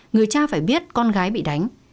người cha phải biết con gái bị đánh